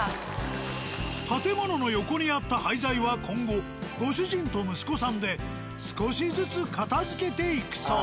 建物の横にあった廃材は今後ご主人と息子さんで少しずつ片づけていくそう。